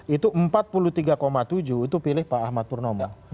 itu empat puluh tiga tujuh itu pilih pak ahmad purnomo